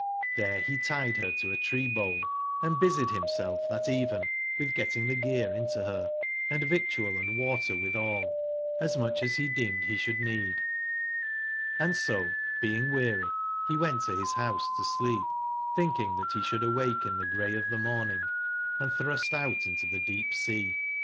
Xlbere be tied her to a tree/bole, and 06 busied himself that even with getting the gear into ber, & victual & water witbal, as mucb as be deemed be sbould need: and so, being weary, be went to bis bouse to sleep, tbinhing tbat besbould awake in tbe grey of tbe morning & tbrust out into tbe deep sea.